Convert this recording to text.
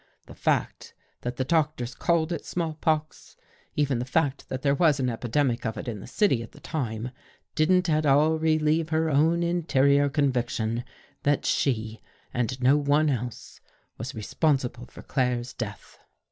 The fact that the doctors called it small pox, even the fact that there was an epidemic of it in the city at the time, didn't at all relieve her own interior conviction that she, and no one else, was responsible for Claire's death.